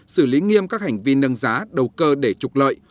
xử lý nghiêm các hành vi nâng giá đầu cơ để trục lợi